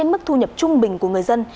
và mức thu nhập trung bình của người dân